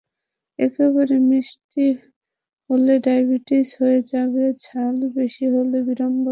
একেবারে মিষ্টি হলে ডায়াবেটিস হয়ে যাবে, ঝাল বেশি হলে বিড়ম্বনা বাড়বে।